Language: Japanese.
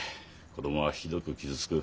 子供はひどく傷つく。